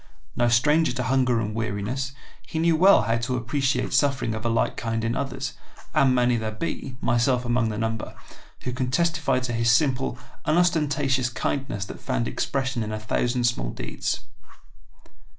No stranger to hunger and weariness, he knew well how to appreciate suffering of a like kind in others, and many there be, myself among the number, who can testify to his simple, unostentatious kindness that found expression in a thousand small deeds.